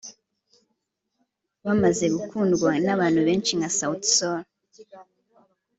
Bamaze gukundwa n’abantu benshi nka Sauti Sol”